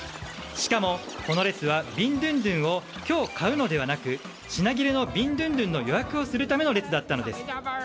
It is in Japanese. しかも、この列はビンドゥンドゥンを今日買うのではなく品切れのビンドゥンドゥンの予約をするための列だったのです。